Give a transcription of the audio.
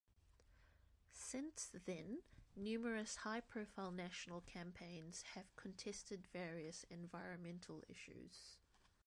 Since then numerous high profile national campaigns have contested various environmental issues.